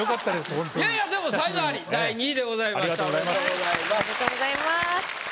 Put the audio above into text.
おめでとうございます。